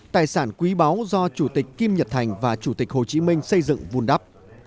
tài sản quý báu do chủ tịch kim nhật thành và chủ tịch hồ chí minh xây dựng vun đắp